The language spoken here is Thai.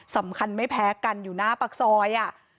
สำคัญไม่แพ้กันอยู่หน้าปากซอย